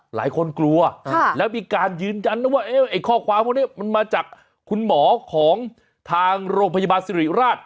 หลายคนกลัวแล้วมีการยืนยันนะว่าไอ้ข้อความพวกนี้มันมาจากคุณหมอของทางโรงพยาบาลสิริราช